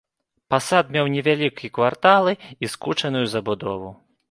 Пасад меў невялікія кварталы і скучаную забудову.